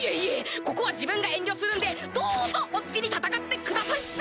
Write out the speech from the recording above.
ここは自分が遠慮するんでどうぞお好きに戦ってくださいっす！